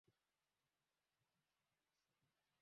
hasa watanzania wachache sana wamejitokeza kupiga kura